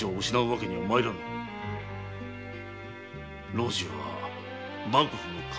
老中は幕府の要。